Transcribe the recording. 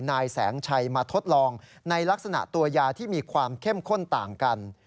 นายแสงชัยมาทดลองในลักษณะตัวยาที่มีความเข้มข้นต่างกัน